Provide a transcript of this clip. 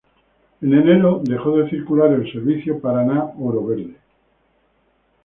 En enero dejó de circular el servicio Paraná-Oro Verde.